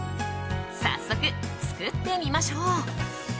早速作ってみましょう。